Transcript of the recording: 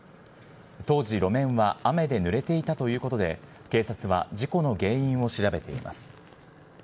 当時、路面は雨でぬれていたということで、警察は、事故の原因を調べています。